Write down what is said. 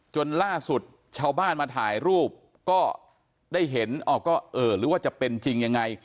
จนล่าสุดชาวบ้านมาถ่ายรูปก็ได้เห็นหรือว่าจะเป็นจริงยังไง